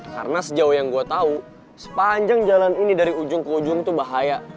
karena sejauh yang gue tahu sepanjang jalan ini dari ujung ke ujung tuh bahaya